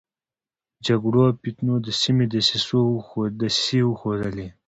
جګړو او فتنو د سيمې دسيسې وښودلې.